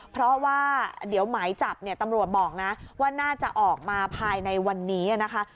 เพราะว่าเดี๋ยวหมายจับเนี่ยตำรวจบอกนะว่าน่าจะออกมาภายในวันนี้นะคะ